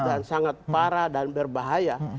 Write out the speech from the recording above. dan sangat parah dan berbahaya